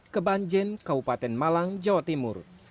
kebanjen kabupaten malang jawa timur